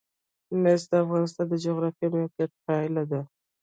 مس د افغانستان د جغرافیایي موقیعت پایله ده.